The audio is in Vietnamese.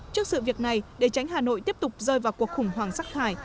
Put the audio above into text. trước sự việc này để tránh hà nội tiếp tục rơi vào cuộc khủng hoảng rác thải